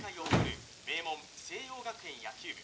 名門星葉学園野球部